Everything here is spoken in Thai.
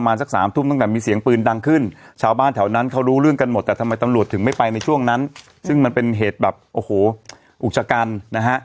มันจะแบบออกมาทั้งข้างว่ารู้เรื่องกันหมดแต่ทำไมตำรวจถึงไม่ไปในช่วงนั้นซึ่งมันเป็นเหตุแบบโอ้โหอุกชะกันนะฮะ